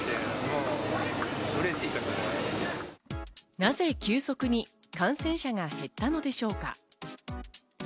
なぜ急速に感染者が減ったのでしょうか。